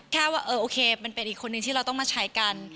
แค่ว่าเออโอเคมันเป็นอีกคนนึงที่เราต้องมาใช้กัน